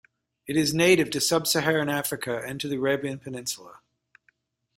It is native to sub-Saharan Africa and to the Arabian Peninsula.